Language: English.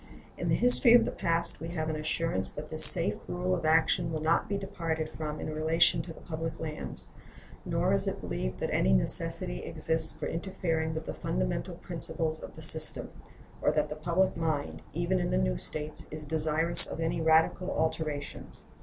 In the history of the past we have an assurance that this safe rule of action will not be departed from in relation to the public lands; nor is it believed that any necessity exists for interfering with the fundamental principles of the system, or that the public mind, even in the new States, is desirous of any radical alterations.